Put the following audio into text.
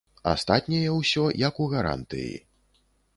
Астатняе ўсё як у гарантыі.